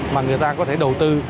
mà người ta có thể đầu tư